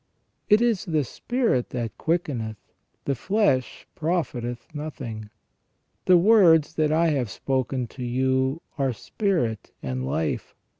It is the Spirit that quickeneth ; the flesh profiteth nothing. The words that I have spoken to you are spirit and life.